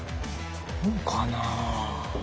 どうかな。